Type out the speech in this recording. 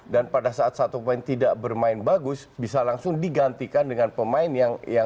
dan pada saat satu pemain tidak bermain bagus bisa langsung digantikan dengan pemain yang siap